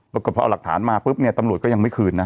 ปรากฏพอเอาหลักฐานมาปุ๊บเนี่ยตำรวจก็ยังไม่คืนนะ